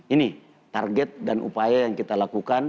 ini target dan upaya yang kita lakukan